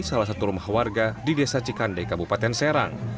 salah satu rumah warga di desa cikande kabupaten serang